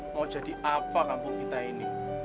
mau jadi apa kampung kita ini